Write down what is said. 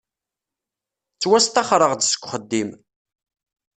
Ttwasṭaxreɣ-d seg uxeddim.